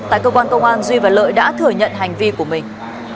tại cơ quan công an duy và lợi đã thừa nhận hành vi của mình